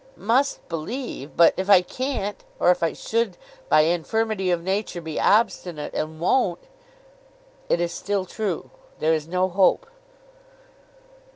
'Must believe? But if I can't—or if I should, by infirmity of nature, be obstinate—and won't—' 'It is still true. There is no hope.